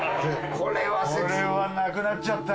これはなくなっちゃった。